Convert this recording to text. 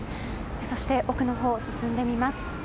そして、奥のほう進んでみます。